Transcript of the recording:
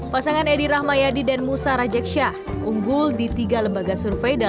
pasangan edi rahmayadi dan musa rajeksyah unggul di tiga lembaga survei